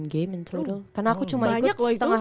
delapan game in total karena aku cuma ikut